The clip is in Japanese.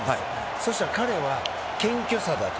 そうしたら、彼は謙虚さだと。